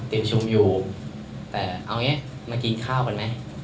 ติดชุมอยู่แต่เอาเนี่ยมากินข้าวกันไหม